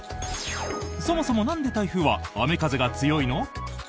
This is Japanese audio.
そもそもなんで台風は雨、風が強いの？